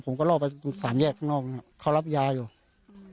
ผมก็ลอกไปตรงสามแยกข้างนอกนะครับเขารับยาอยู่อืม